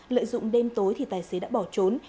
lợi dụng đêm tối thì tài xế đã bỏ trốn